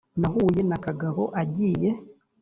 Nahuye na Kagabo agiye